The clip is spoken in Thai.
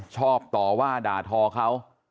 ชอบต่อว่าด่าทอเขา